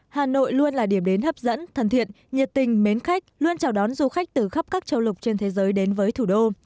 hà nội luôn là điểm đến hấp dẫn thân thiện nhiệt tình mến khách luôn chào đón du khách từ khắp các châu lục trên thế giới đến với thủ đô